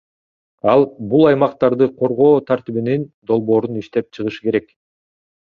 Ал бул аймактарды коргоо тартибинин долбоорун иштеп чыгышы керек.